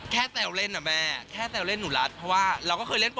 แซวเล่นนะแม่แค่แซวเล่นหนูรัดเพราะว่าเราก็เคยเล่น